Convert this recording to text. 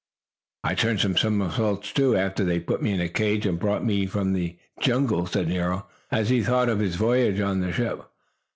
"I turned some somersaults too, after they put me in a cage and brought me from the jungle," said Nero, as he thought of his voyage on the ship.